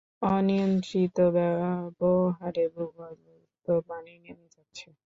অনিয়ন্ত্রিত ব্যবহারে ভূগর্ভস্থ পানি নেমে যাচ্ছে।